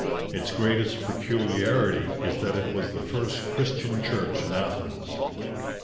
Its greatest peculiarity is that it was the first Christian church in Athens.